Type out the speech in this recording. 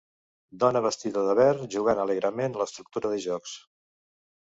Dona vestida de verd jugant alegrement a l'estructura de jocs.